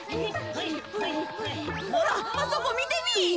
ほらあそこみてみい。